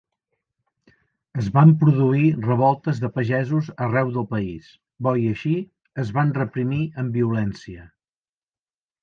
Es van produir revoltes de pagesos arreu del país; bo i així, es van reprimir amb violència.